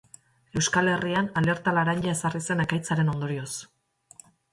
Euskal Herrian alerta laranja ezarri zen ekaitzaren ondorioz.